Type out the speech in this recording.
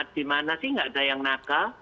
di mana sih nggak ada yang nakal